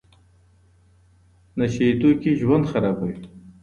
نشه يي توکي ژوند خرابوي.